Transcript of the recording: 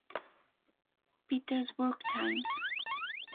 Petersburg Times.